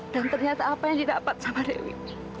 dan ternyata apa yang didapat sama dewi